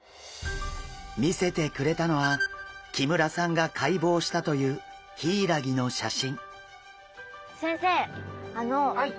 見せてくれたのは木村さんが解剖したというヒイラギの写真。